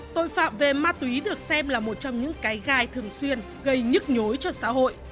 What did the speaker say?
tội phạm về ma túy được xem là một trong những cái gai thường xuyên gây nhức nhối cho xã hội